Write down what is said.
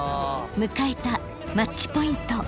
迎えたマッチポイント。